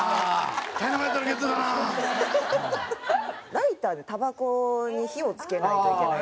ライターでたばこに火をつけないといけない。